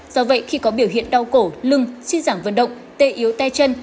do vậy khi có biểu hiện đau cổ lưng suy giảng vận động tê yếu tay chân